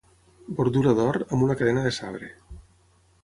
Bordura d'or, amb una cadena de sabre.